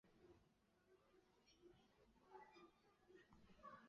万寿西宫现为西城区普查登记文物。